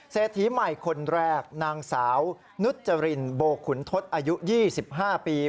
เศรษฐีใหม่คนแรกนางสาวนุจรินโบขุนทศอายุ๒๕ปี